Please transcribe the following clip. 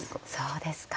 そうですか。